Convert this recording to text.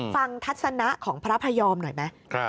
ทัศนะของพระพยอมหน่อยไหม